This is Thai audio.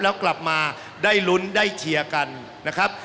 แล้วกลับมาได้ลุ้นได้เชียร์กันนะครับ